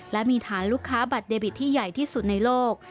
และมีฐานลูกค้าบัตรเดบิตที่ใหญ่ที่สุดในโลก